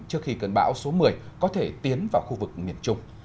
trước khi cơn bão số một mươi có thể tiến vào khu vực miền trung